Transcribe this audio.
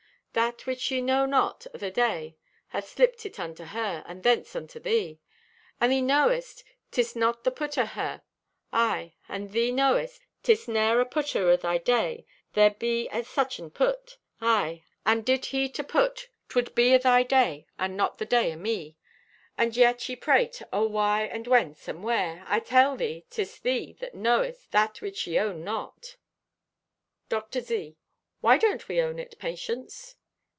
"That which ye know not o' thy day hath slipped it unto her, and thence unto thee. And thee knowest 'tis not the put o' her; aye, and thee knowest 'tis ne'er a putter o' thy day there be at such an put. Aye, and did he to put, 'twould be o' thy day and not the day o' me. And yet ye prate o' why and whence and where. I tell thee 'tis thee that knowest that which ye own not." Dr. Z.—"Why don't we own it, Patience?"